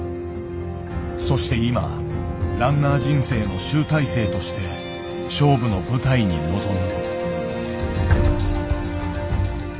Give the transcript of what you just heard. そして今ランナー人生の集大成として勝負の舞台に臨む。